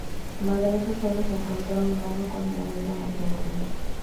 Madrazo solo se encontró una mano con el anillo matrimonial.